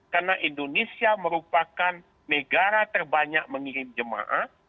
karena indonesia merupakan negara terbanyak mengirim jemaah